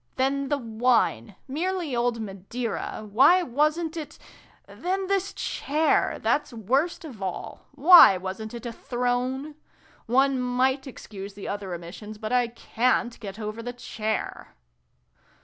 " Then the wine ! Merely old Madeira ! Why wasn't it ? Then this chair ! That's worst of all. Why wasn't it a throne ? One might excuse the other omissions, but I cant get over the chair